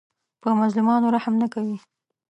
په مظلومانو رحم نه کوي